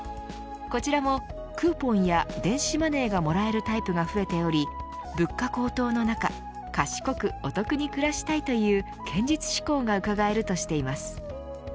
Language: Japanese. こちらもクーポンや電子マネーがもらえるタイプが増えており物価高騰の中賢くお得に暮らしたいという堅実志向がうかがえるとしています。